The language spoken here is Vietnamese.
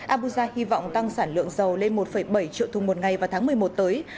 abuja hy vọng tăng sản lượng dầu lên một bảy triệu thùng một ngày vào tháng một mươi một tới